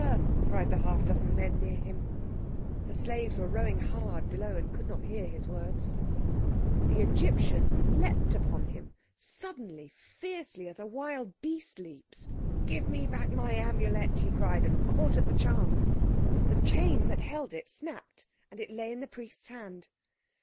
cried the half dozen men near him. The slaves were rowing hard below and could not hear his words. The Egyptian leaped upon him; suddenly, fiercely, as a wild beast leaps. "Give me back my Amulet," he cried, and caught at the charm. The chain that held it snapped, and it lay in the Priest's hand.